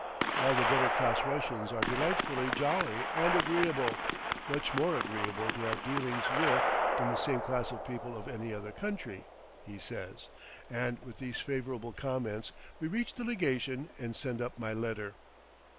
"All the better class Russians are delightfully jolly and agreeable, much more agreeable to have dealings with than the same class of people of any other country," he says, and with these favorable comments we reach the legation and send up my letter.